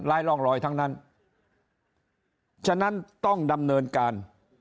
ร่องรอยทั้งนั้นฉะนั้นต้องดำเนินการ